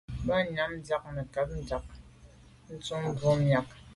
Ba nyàm diag nekeb ntsha ntùm bwôg miag.